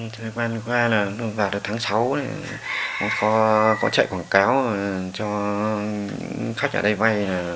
thời gian qua vào tháng sáu có chạy quảng cáo cho khách ở đây vay